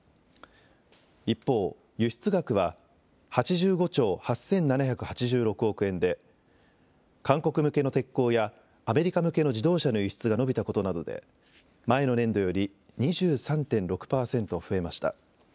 一方、輸出額は８５兆８７８６億円で韓国向けの鉄鋼やアメリカ向けの自動車の輸出が伸びたことなどで前の年度より２３．６％増えました。